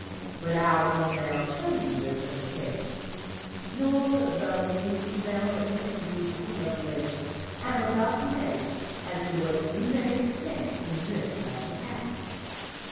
But I will now show you its implications. Nor could a better means be found of introducing the revelations I am about to make as to what you may expect in this haunted house.